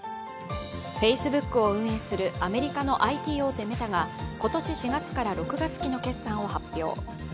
Ｆａｃｅｂｏｏｋを運営するアメリカのＩＴ大手・メタが今年４月から６月期の決算を発表。